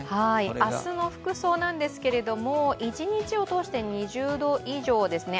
明日の服装なんですけれども一日を通して２０度以上ですね